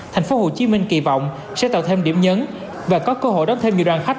tp hcm kỳ vọng sẽ tạo thêm điểm nhấn và có cơ hội đón thêm nhiều đoàn khách